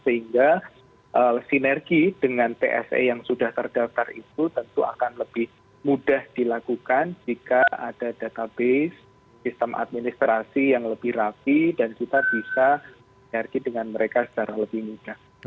sehingga sinergi dengan pse yang sudah terdaftar itu tentu akan lebih mudah dilakukan jika ada database sistem administrasi yang lebih rapi dan kita bisa energi dengan mereka secara lebih mudah